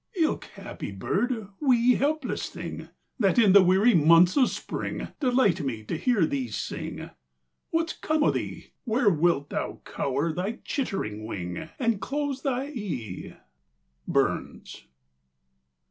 Ilk happy bird, wee helpless thing, That in the weary months o' spring Delight me to hear thee sing, What's come o' thee? Where wilt thou cower thy chittering wing And close thy e'e? —Burns.